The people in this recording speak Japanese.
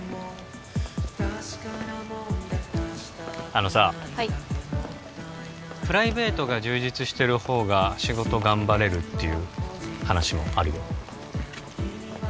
あのさはいプライベートが充実してるほうが仕事頑張れるっていう話もあるよ